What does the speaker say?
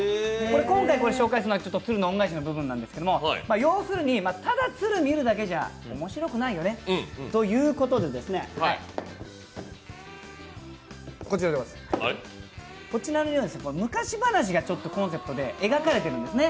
今回、紹介するのは「つるのおんがえし」の部分なんですけど、要するに、ただ鶴を見るだけじゃ面白くないよねということで昔話がコンセプトで、描かれているんですね。